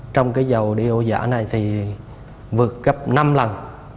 trong cái dầu đi ô giả này thì vượt gấp năm lần